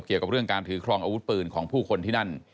เกี่ยวกับเรื่องการถือครองอาวุธปืนของผู้คนที่นั่น